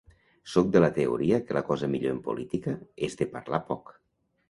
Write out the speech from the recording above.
Soc de la teoria que la cosa millor, en política, és de parlar poc.